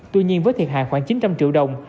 tuy nhiên với thiệt hại khoảng chín trăm linh triệu đồng